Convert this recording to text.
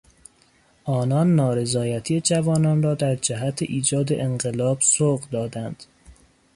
آنان نارضایتی جوانان را در جهت ایجاد انقلاب سوق دادند.